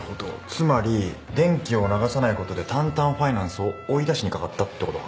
つまり電気を流さない事でタンタンファイナンスを追い出しにかかったって事か。